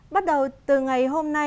bắt đầu từ ngày hôm nay